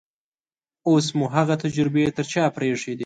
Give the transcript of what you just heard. اوس مو هغه تجربې تر شا پرېښې دي.